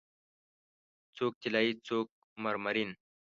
څوک طلایې، څوک مرمرین